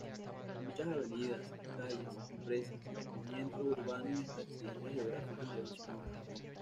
Muchas avenidas, calles, empresas, equipamiento urbano y hasta accidentes geográficos llevan su nombre.